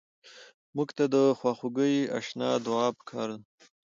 مړه ته د خواخوږۍ اشنا دعا پکار ده